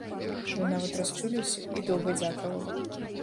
Ён нават расчуліўся і доўга дзякаваў.